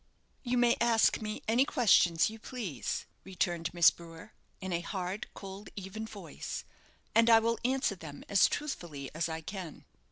"You may ask me any questions you please," returned Miss Brewer, in a hard, cold, even voice; "and I will answer them as truthfully as I can."